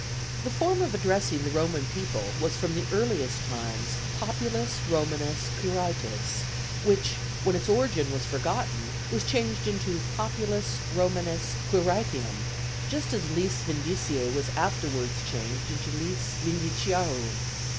The form of addressing the Roman people was from the earliest times Populus Romanus Quirites, which, when its origin was forgotten, was changed into Populus Romanus Quiritium, just as lis vindiciæ was afterward changed into lis vindiciaruum.